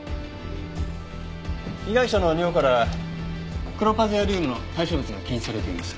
被害者の尿からクロパゼアリウムの代謝物が検出されています。